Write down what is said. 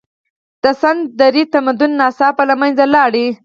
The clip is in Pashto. د سند درې تمدن ناڅاپه له منځه لاړ.